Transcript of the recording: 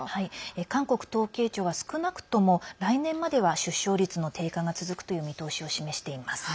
韓国統計庁は少なくとも来年までは出生率の低下が続くという見通しを示しています。